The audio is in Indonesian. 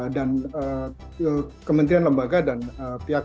dan kementerian lembaga dan pihak